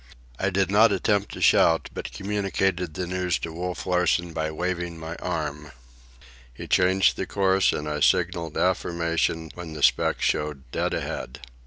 I did not attempt to shout, but communicated the news to Wolf Larsen by waving my arm. He changed the course, and I signalled affirmation when the speck showed dead ahead.